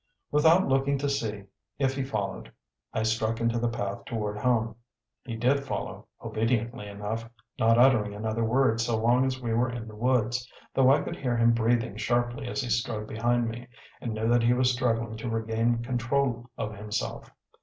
Without looking to see if he followed, I struck into the path toward home. He did follow, obediently enough, not uttering another word so long as we were in the woods, though I could hear him breathing sharply as he strode behind me, and knew that he was struggling to regain control of himself.